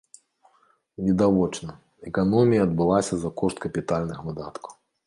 Відавочна, эканомія адбылася за кошт капітальных выдаткаў.